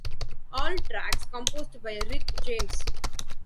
All tracks composed by Rick James.